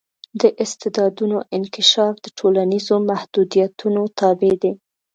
د استعدادونو انکشاف د ټولنیزو محدودیتونو تابع دی.